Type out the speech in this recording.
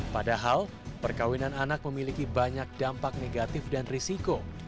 padahal perkawinan anak memiliki banyak dampak negatif dan risiko